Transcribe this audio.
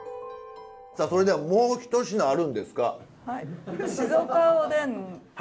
さあそれではもうひと品あるんですか？